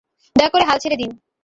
দয়া করে হাল ছেড়ে দিন।